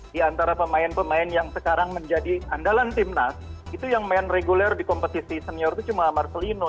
di antara pemain pemain yang sekarang menjadi andalan timnas itu yang main reguler di kompetisi senior itu cuma marcelino